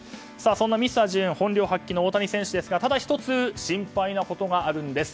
そんなミスタージューン本領発揮の大谷選手ですがただ１つ心配なことがあるんです。